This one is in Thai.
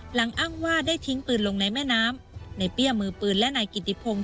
อ้างว่าได้ทิ้งปืนลงในแม่น้ำในเปี้ยมือปืนและนายกิติพงศ